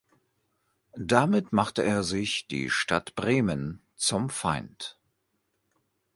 Damit machte er sich die Stadt Bremen zum Feind.